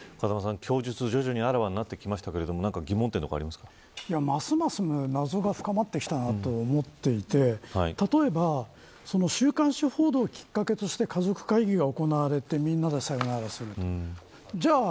風間さん、供述が徐々にあらわになってきますがますます謎が深まってきたなと思っていて例えば週刊誌報道をきっかけに家族会議が行われてみんなでさよならをする。